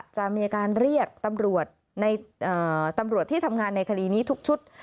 จะมีการเรียกตำรวจที่ทำงานในคดีนี้ทุกชุด